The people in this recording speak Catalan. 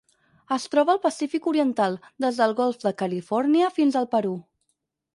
Es troba al Pacífic oriental: des del golf de Califòrnia fins al Perú.